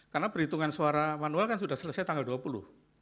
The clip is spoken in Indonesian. karena perhitungan suara manual kan sudah selesai tanggal dua puluh